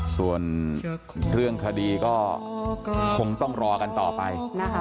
ส่วนเรื่องคดีก็คงต้องรอกันต่อไปนะคะ